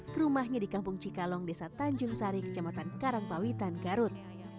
ke rumahnya di kampung cikalong desa tanjung sari kecamatan karangpawitan garut